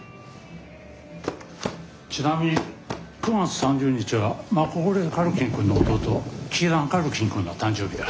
ちなみに９月３０日はマコーレー・カルキンくんの弟キーラン・カルキンくんの誕生日だ。